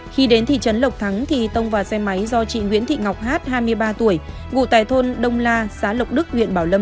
khi đến thị trấn lộc thắng tông và xe máy do chị nguyễn thị ngọc hát hai mươi ba tuổi ngụ tài thôn đông la xá lộc đức huyện bảo lâm